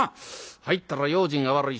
入ったら用心が悪い。